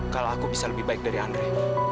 kalau aku bisa lebih baik dari andre